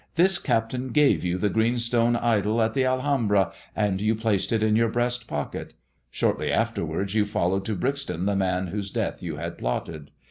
" This captain gave you the green stone idol at the Alhambra, and you placed it in your breast pocket. Shortly afterwards you followed to Brixton the man whose death you had plotted.